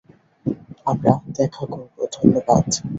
আমরা দেখা করব ধন্যবাদ।